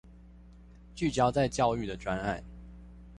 聚焦在教育的專案